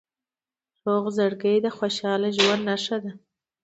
روغ زړګی د خوشحال ژوند نښه ده.